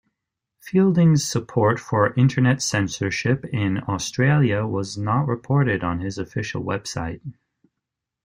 Fielding's support for Internet censorship in Australia was not reported on his official website.